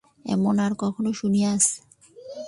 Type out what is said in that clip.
এমন আর কখনো শুনিয়াছ?